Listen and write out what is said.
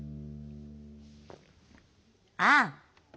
ああ！